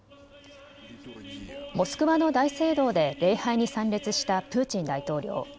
モスクワの大聖堂で礼拝に参列したプーチン大統領。